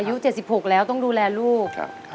อายุ๗๖แล้วต้องดูแลลูก